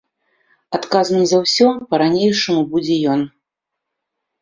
Адказным за ўсё па-ранейшаму будзе ён.